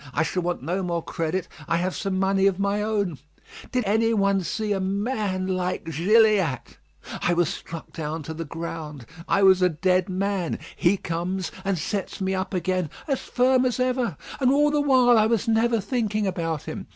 I shall want no more credit. I have some money of my own. Did ever any one see a man like Gilliatt. I was struck down to the ground, I was a dead man. He comes and sets me up again as firm as ever. And all the while I was never thinking about him.